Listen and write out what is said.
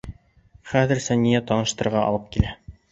Хәҙер Сания таныштырырға алып килә.